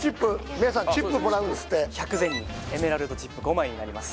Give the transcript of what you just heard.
皆さんチップもらうんですって１００ゼニーエメラルドチップ５枚になります